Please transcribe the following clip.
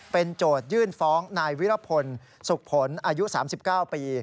เป็นโจทยื่นฟ้องนายวิรพลสุขผลอายุ๓๙ปี